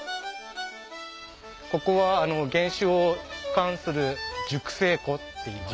ここは原酒を保管する熟成庫っていいます。